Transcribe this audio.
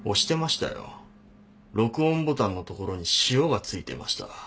録音ボタンのところに塩が付いてました。